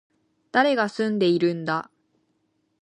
誰が住んでいるんだ